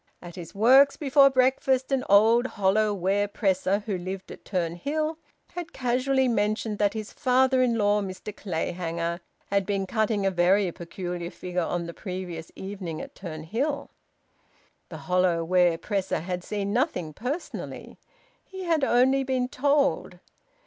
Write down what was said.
At his works before breakfast an old hollow ware presser, who lived at Turnhill, had casually mentioned that his father in law, Mr Clayhanger, had been cutting a very peculiar figure on the previous evening at Turnhill. The hollow ware presser had seen nothing personally; he had only been told.